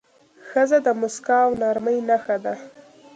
ښځه د موسکا او نرمۍ نښه ده.